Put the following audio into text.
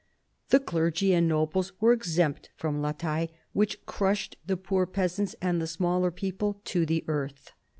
The clergy and nobles were exempt from la faille, which crushed the poor peasants and the smaller people to the earth.